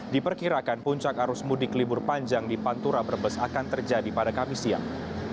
diperkirakan puncak arus mudik libur panjang di pantura brebes akan terjadi pada kamis siang